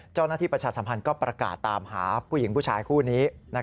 ประชาสัมพันธ์ก็ประกาศตามหาผู้หญิงผู้ชายคู่นี้